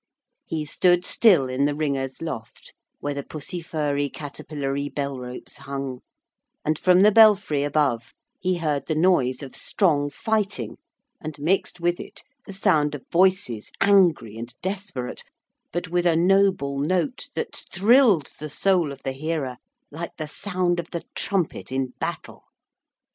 He stood still in the ringers' loft where the pussy furry caterpillary bell robes hung, and from the belfry above he heard the noise of strong fighting, and mixed with it the sound of voices angry and desperate, but with a noble note that thrilled the soul of the hearer like the sound of the trumpet in battle.